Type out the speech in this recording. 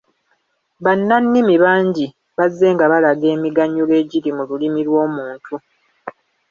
Bannannimi bangi bazze nga balaga emiganyulo egiri mu lulimi lw’omuntu.